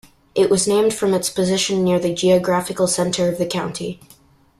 It was named from its position near the geographical center of the county.